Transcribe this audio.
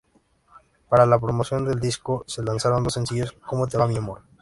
Para la promoción del disco, se lanzaron los sencillos "¿Cómo te va mi amor?